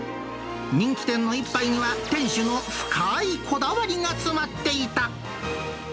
人気店の一杯には、店主の深いこだわりが詰まっていた。